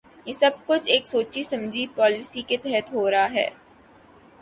یہ سب کچھ ایک سوچی سمجھی پالیسی کے تحت ہو رہا ہے۔